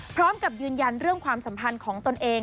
พร้อมกับยืนยันเรื่องความสัมพันธ์ของตนเอง